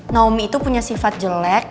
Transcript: naomi itu punya sifat jelek